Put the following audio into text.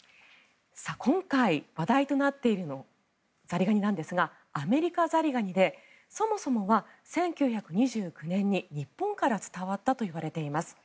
今回、話題となっているザリガニなんですがアメリカザリガニでそもそもが１９２９年に日本から伝わったといわれています。